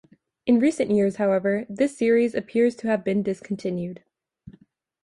In recent years, however, this series appears to have been discontinued.